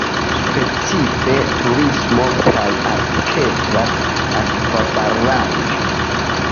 Specife turismo kaj elektra akvobaraĵo.